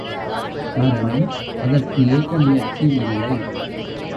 காரணம் அதற்கு ஏற்ற முயற்சி இல்லை.